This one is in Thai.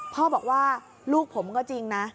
พ่อบอกว่าลูกผมก็จริงนะ